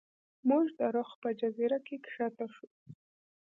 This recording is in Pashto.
موږ د رخ په جزیره کې ښکته شو.